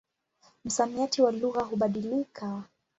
Msamiati wa lugha hubadilika.